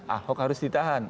ahok harus ditahan